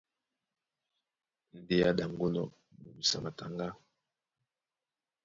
Ndé á ɗaŋgónɔ̄ ŋgusu á mataŋgá,